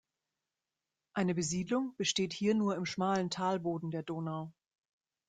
Eine Besiedelung besteht hier nur im schmalen Talboden der Donau.